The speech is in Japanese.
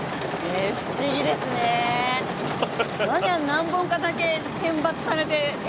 何本かだけ選抜されてえ！